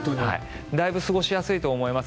だいぶ過ごしやすいと思います。